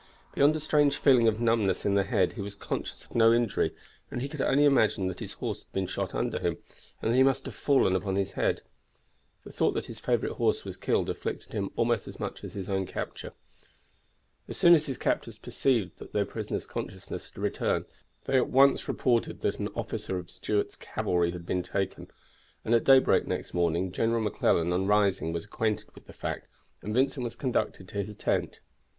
Beyond a strange feeling of numbness in the head he was conscious of no injury, and he could only imagine that his horse had been shot under him, and that he must have fallen upon his head. The thought that his favorite horse was killed afflicted him almost as much as his own capture. As soon as his captors perceived that their prisoner's consciousness had returned they at once reported that an officer of Stuart's cavalry had been taken, and at daybreak next morning General McClellan on rising was acquainted with the fact, and Vincent was conducted to his tent.